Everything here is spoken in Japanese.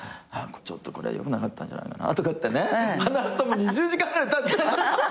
ちょっとこれよくなかったんじゃとかってね話すと２０時間ぐらいたっちゃう。